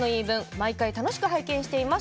毎回、楽しく拝見しています。